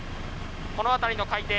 この辺りの海底